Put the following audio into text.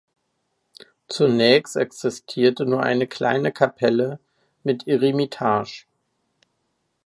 Zunächst existierte nur eine kleine Kapelle mit Eremitage.